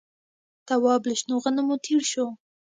تواب له شنو غنمو تېر شو.